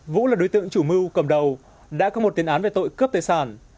vũ là đối tượng chủ mưu cầm đầu đã có một tiền án về tội cướp tài sản